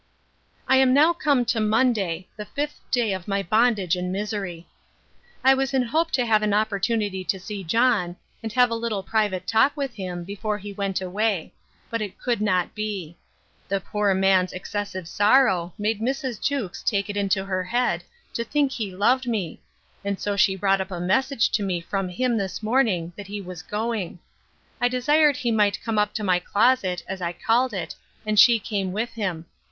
I am now come to MONDAY, the 5th Day of my Bondage and Misery. I was in hope to have an opportunity to see John, and have a little private talk with him, before he went away; but it could not be. The poor man's excessive sorrow made Mrs. Jewkes take it into her head, to think he loved me; and so she brought up a message to me from him this morning that he was going. I desired he might come up to my closet, as I called it, and she came with him.